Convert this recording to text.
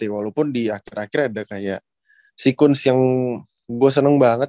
walaupun di akhir akhir ada kayak sekuens yang gue seneng banget